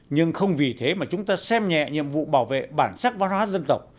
nhưng không vì thế mà chúng ta xem nhẹ nhiệm vụ bảo vệ bản sắc văn hóa dân tộc